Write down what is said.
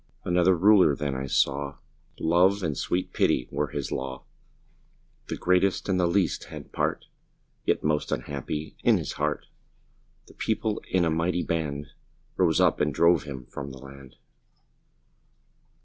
Another Ruler then I saw Love and sweet Pity were his law: The greatest and the least had part (Yet most the unhappy) in his heart The People, in a mighty band, Rose up, and drove him from the land!